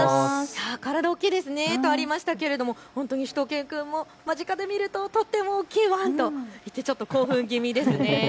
体、大きいですねとありましたが本当にしゅと犬くんも間近で見るととっても大きいワンと興奮気味です。